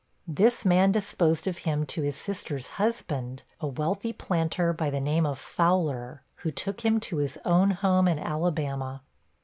This man disposed of him to his sister's husband, a wealthy planter, by the name of Fowler, who took him to his own home in Alabama.